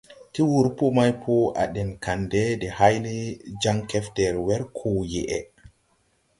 Ti wur pɔ maypo à ɗɛŋ kandɛ de hayle jaŋ kɛfder wer koo yeʼe.